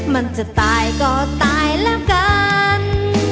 มันจะตายก็ตายแล้วกัน